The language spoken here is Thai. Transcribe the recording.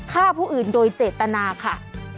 ฆ่าผู้อื่นโดยเจตนาค่ะ